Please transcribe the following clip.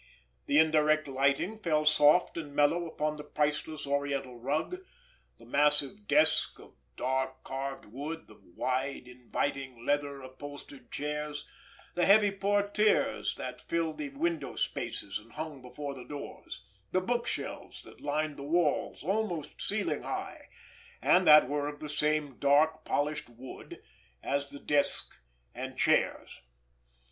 The indirect lighting fell soft and mellow upon the priceless Oriental rug, the massive desk of dark, carved wood, the wide, inviting leather upholstered chairs, the heavy portières that filled the window spaces and hung before the doors, the bookshelves that lined the walls almost ceiling high and that were of the same dark, polished wood as the desk and chairs.